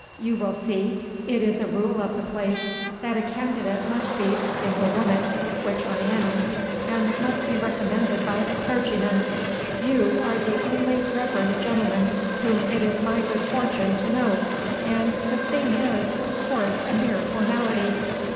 You will see it is a rule of the place that a candidate must be a single woman (which I am), and must be recommended by a clergyman. You are the only reverend gentleman whom it is my good fortune to know, and the thing is of course a mere formality.